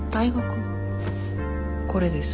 これです。